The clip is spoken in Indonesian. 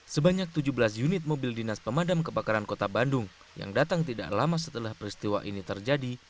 sebanyak tujuh belas unit mobil dinas pemadam kebakaran kota bandung yang datang tidak lama setelah peristiwa ini terjadi